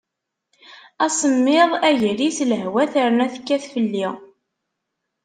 Asemmiḍ, agris, lehwa terna tekkat fell-i.